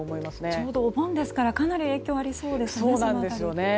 ちょうどお盆ですからかなり影響はありそうですね。